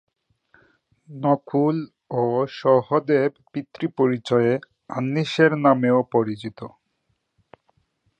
নকুল ও সহদেব পিতৃ-পরিচয়ে আশ্বিনেয় নামেও পরিচিত।